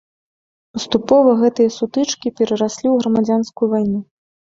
Паступова гэтыя сутычкі перараслі ў грамадзянскую вайну.